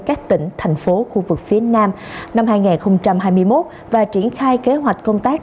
các tỉnh thành phố khu vực phía nam năm hai nghìn hai mươi một và triển khai kế hoạch công tác